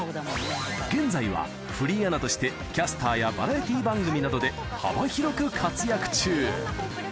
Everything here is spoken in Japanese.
現在はフリーアナとして、キャスターやバラエティー番組などで、幅広く活躍中。